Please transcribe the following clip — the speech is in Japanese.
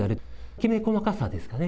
きめ細かさですよね。